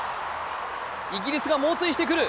イギリスが猛追してくる。